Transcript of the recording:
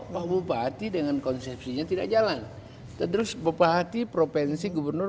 pak bupati dengan konsepsinya tidak jalan terus bupati provinsi gubernur